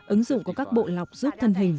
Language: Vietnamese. ứng dụng có các bộ lọc giúp thân hình